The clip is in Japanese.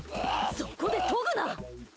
そこでとぐな！